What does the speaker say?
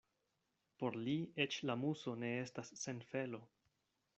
Por li eĉ la muso ne estas sen felo.